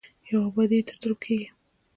یوه ابادي یې تر سترګو کېږي.